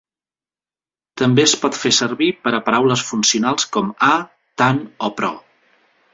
També es pot fer servir per a paraules funcionals com "a", "tan" o "però".